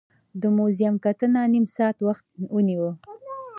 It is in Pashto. د موزیم کتنه نیم ساعت وخت ونیو.